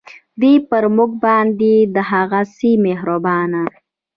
دی پر مونږ باندې دغهسې مهربانه